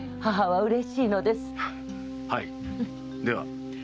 はいでは。